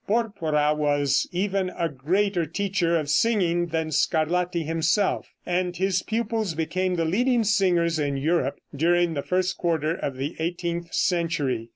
Porpora was even a greater teacher of singing than Scarlatti himself, and his pupils became the leading singers in Europe during the first quarter of the eighteenth century.